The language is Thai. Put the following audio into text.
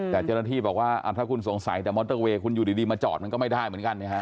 แต่เจ้าหน้าที่บอกว่าถ้าคุณสงสัยแต่มอเตอร์เวย์คุณอยู่ดีมาจอดมันก็ไม่ได้เหมือนกัน